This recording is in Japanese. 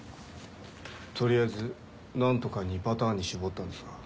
取りあえず何とか２パターンに絞ったんですが。